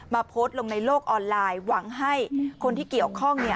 โพสต์ลงในโลกออนไลน์หวังให้คนที่เกี่ยวข้อง